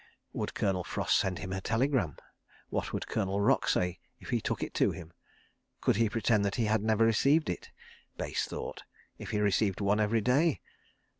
... Would Colonel Frost send him a telegram? What would Colonel Rock say if he took it to him? Could he pretend that he had never received it. Base thought! If he received one every day?